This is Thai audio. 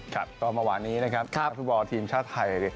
ครับต่อมาหวานนี้นะครับครับภูติบอลทีมชาวไทย